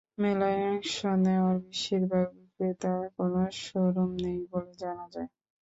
মেলায় অংশ নেওয়া বেশির ভাগ বিক্রেতার কোনো শোরুম নেই বলে জানা যায়।